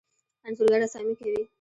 انځورګر رسامي کوي.